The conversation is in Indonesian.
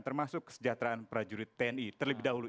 termasuk kesejahteraan prajurit tni terlebih dahulu